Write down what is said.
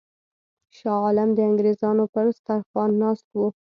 شاه عالم د انګرېزانو پر سترخوان ناست وو.